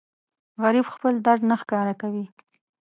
غریب خپل درد نه ښکاره کوي